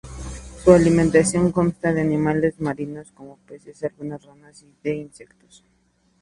Su alimentación consta de animales marinos como peces, algunas ranas, y de insectos.